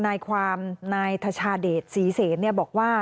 นายความนายทชาเดชศรีเสนบอกว่า